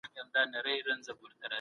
په هغه کتاب کې د شیکسپیر نوم وموندل سو.